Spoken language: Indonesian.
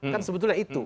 kan sebetulnya itu